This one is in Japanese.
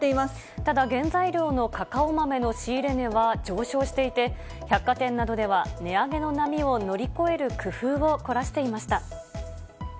ただ原材料のカカオ豆の仕入れ値は上昇していて、百貨店などでは値上げの波を乗り越える工夫を凝らしていました。